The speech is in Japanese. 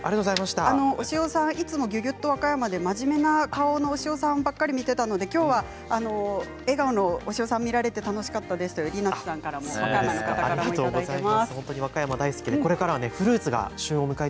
押尾さん、いつも「ギュギュっと和歌山」で真面目な顔の押尾さんばかり見ていたのできょうは笑顔の押尾さんを見られて楽しかったですと和歌山の方からもいただいています。